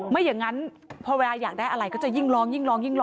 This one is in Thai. ไม่อย่างนั้นพอเวลาอยากได้อะไรก็จะยิ่งร้องยิ่งร้องยิ่งร้อง